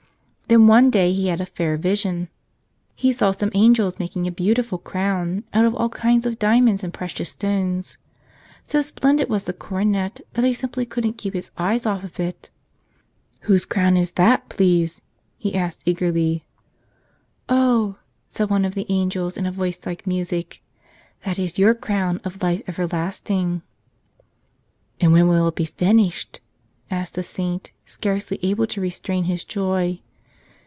Then one day he had a fair vision. He saw some angels making a beautiful crown out of all kinds of diamonds and precious stones. So splendid was the coronet that he simply couldn't keep his eyes off it. "Whose crown is that, please?" he asked eagerly. "Oh," said one of the angels in a voice like music, "that is your crown of life everlasting." "And when will it be finished?" asked the saint, scarcely able to restrain his joy.